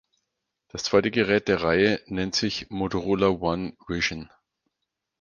Das zweite Gerät der Reihe nennt sich "Motorola One Vision".